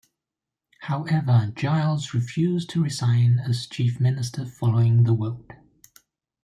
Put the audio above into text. However, Giles refused to resign as Chief Minister following the vote.